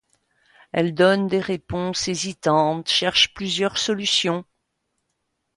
Elle donne des réponses hésitantes, cherche plusieurs solutions.